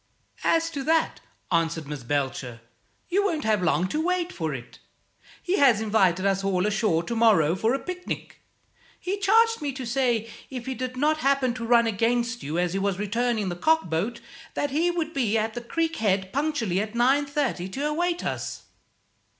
"As to that," answered Miss Belcher, "you won't have long to wait for it. He has invited us all ashore to morrow, for a picnic. He charged me to say if he did not happen to run against you as he was returning the cockboat that he would be at the creek head punctually at nine thirty to await us."